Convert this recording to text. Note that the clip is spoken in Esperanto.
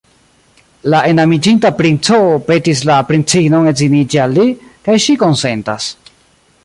La enamiĝinta princo petis la princinon edziniĝi al li, kaj ŝi konsentas.